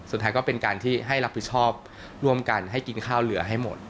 สุดท้ายก็เป็นการที่ให้รับผิดชอบร่วมกันให้กินข้าวเหลือให้หมด